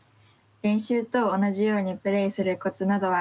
練習と同じようにプレーするコツなどはありますか？